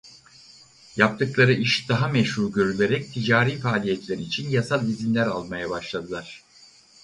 Yaptıkları iş daha meşru görülerek ticari faaliyetler için yasal izinler almaya başladılar.